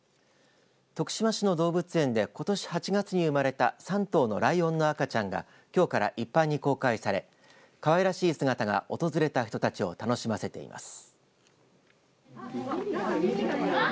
徳島市の動物園でことし８月に生まれた３頭のライオンの赤ちゃんがきょうから一般に公開されかわいらしい姿が訪れた人たちを楽しませています。